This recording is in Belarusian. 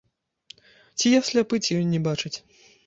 Ці я сляпы, ці ён не бачыць?